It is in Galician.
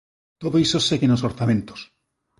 Todo iso segue nos orzamentos.